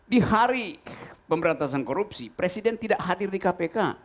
di hari pemberantasan korupsi presiden tidak hadir di kpk